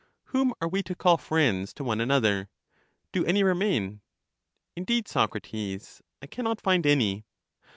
Whom are we to call friends to one another? Do any re main? Indeed, Socrates, I can not find any.